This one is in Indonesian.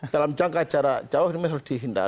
dalam jangka jarak jauh ini memang harus dihindari